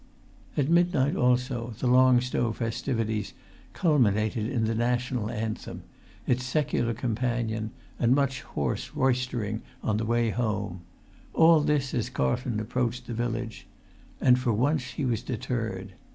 At midnight also the Long Stow festivities culminated in the National Anthem, its secular companion, and much hoarse roystering on the way home; all this as Carlton approached the village; and for once he was deterred.